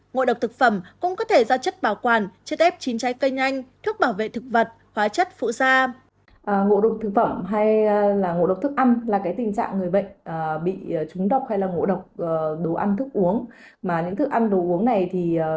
ngộ độc thực phẩm cũng có thể ra chất bảo quản chất ép chín trái cây nhanh